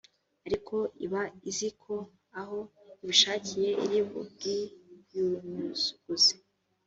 ariko iba izi ko aho ibishakira iri bubwiyunyuguze